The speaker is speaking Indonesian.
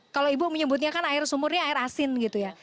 kalau ibu menyebutnya kan air sumurnya air asin gitu ya